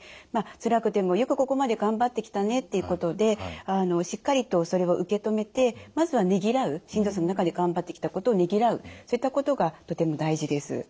「つらくてもよくここまで頑張ってきたね」っていうことでしっかりとそれを受け止めてまずはねぎらうしんどさの中で頑張ってきたことをねぎらうそういったことがとても大事です。